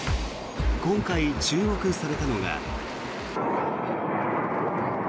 今回、注目されたのが。